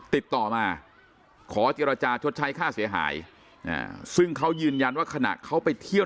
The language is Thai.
ติดต่อมาขอเจรจาชดใช้ค่าเสียหายซึ่งเขายืนยันว่าขณะเขาไปเที่ยว